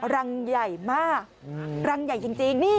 รังใหญ่มากรังใหญ่จริง